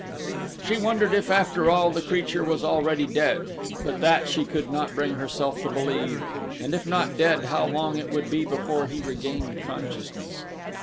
She wondered if, after all, the creature was already dead, but that she could not bring herself to believe and if not dead how long it would be before he regained consciousness.